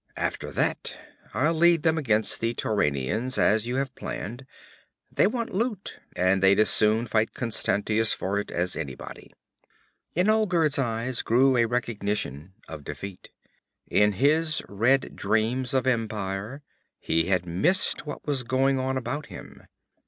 After that, I'll lead them against the Turanians as you have planned. They want loot, and they'd as soon fight Constantius for it as anybody.' In Olgerd's eyes grew a recognition of defeat. In his red dreams of empire he had missed what was going on about him.